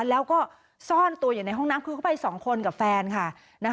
แล้วก็ซ่อนตัวอยู่ในห้องน้ำคือเขาไปสองคนกับแฟนค่ะ